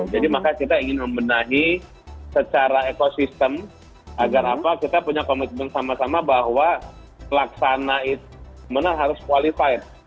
jadi makanya kita ingin membenahi secara ekosistem agar apa kita punya komitmen sama sama bahwa pelaksanaan itu memang harus qualified